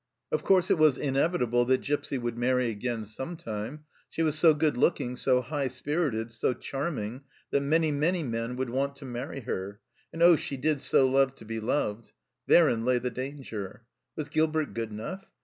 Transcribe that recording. Of course, it was inevitable that Gipsy would marry again some time. She was so good looking, so high spirited, so charming, that many, many men would want to marry her ; and oh, she did so love to be loved ! Therein lay the danger ! Was Gilbert good enough